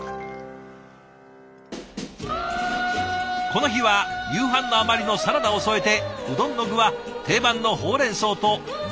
この日は夕飯の余りのサラダを添えてうどんの具は定番のほうれんそうと肉厚なお揚げ。